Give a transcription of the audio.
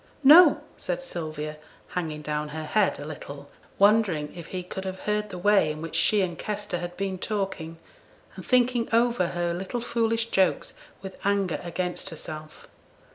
'No,' said Sylvia, hanging down her head a little, wondering if he could have heard the way in which she and Kester had been talking, and thinking over her little foolish jokes with anger against herself.